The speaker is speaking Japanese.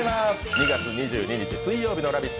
２月２２日水曜日の「ラヴィット！」